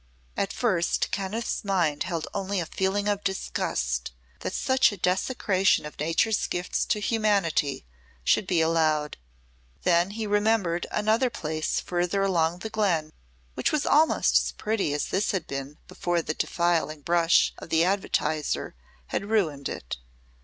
At first Kenneth's mind held only a feeling of disgust that such a desecration of Nature's gifts to humanity should be allowed. Then he remembered another place further along the glen which was almost as pretty as this had been before the defiling brush of the advertiser had ruined it.